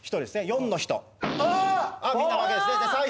４の人みんな負けですねあ！